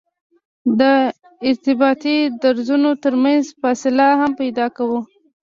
د ارتباطي درزونو ترمنځ فاصله هم پیدا کوو